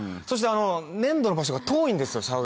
そして粘土の場所が遠いんですよ